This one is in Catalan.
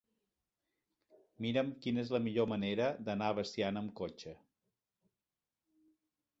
Mira'm quina és la millor manera d'anar a Veciana amb cotxe.